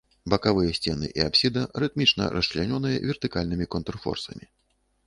Бакавыя сцены і апсіда рытмічна расчлянёныя вертыкальнымі контрфорсамі.